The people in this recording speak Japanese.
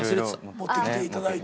持ってきていただいて。